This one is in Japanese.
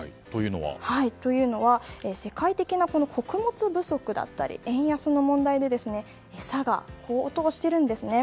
というのは世界的な穀物不足だったり円安の問題で餌が高騰しているんですね。